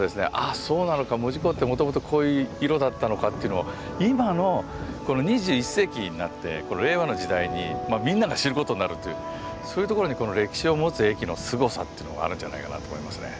「あそうなのか門司港ってもともとこういう色だったのか」というのを今のこの２１世紀になって令和の時代にみんなが知ることになるというそういうところに歴史を持つ駅のすごさというのがあるんじゃないかなと思いますね。